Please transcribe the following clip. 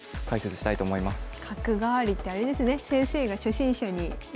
角換わりってあれですね。